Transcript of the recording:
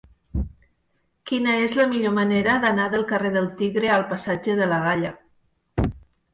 Quina és la millor manera d'anar del carrer del Tigre al passatge de la Galla?